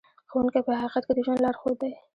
ښوونکی په حقیقت کې د ژوند لارښود دی.